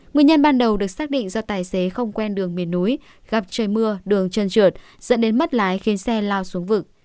nguyên nhân ban đầu được xác định do tài xế không quen đường miền núi gặp trời mưa đường chân trượt dẫn đến mất lái khiến xe lao xuống vực